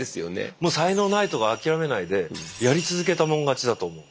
もう才能ないとか諦めないでやり続けたもん勝ちだと思う。